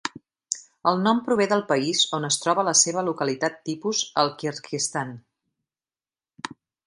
El nom prové del país on es troba la seva localitat tipus: el Kirguizistan.